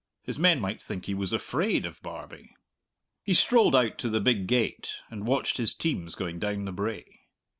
His men might think he was afraid of Barbie. He strolled out to the big gate and watched his teams going down the brae.